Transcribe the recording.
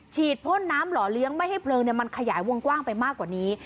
พ่นน้ำหล่อเลี้ยงไม่ให้เพลิงมันขยายวงกว้างไปมากกว่านี้